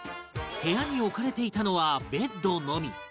部屋に置かれていたのはベッドのみ